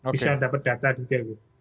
bisa dapat data detail